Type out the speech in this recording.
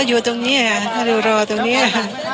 ก็อยู่ตรงนี้อ่ะหรือรอตรงนี้อ่ะ